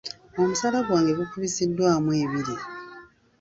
Omusaala gwange gukubisiddwamu ebiri.